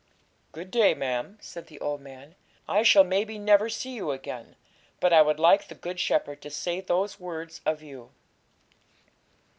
'Good day, ma'am,' said the old man; 'I shall, maybe, never see you again; but I would like the Good Shepherd to say those words of you.'